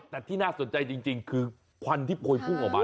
แต่ที่น่าสนใจจริงคือควันที่พวยพุ่งออกมา